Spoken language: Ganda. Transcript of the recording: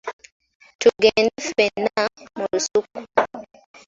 Tugende ffenna mu lusuku.